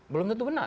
belum tentu benar